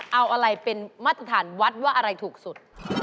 เอาอะไรเป็นมาตรฐานวัดว่าอะไรถูกสุด